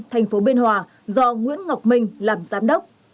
thành phố biên hòa do nguyễn ngọc minh làm giám đốc